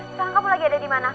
sekarang kamu lagi ada dimana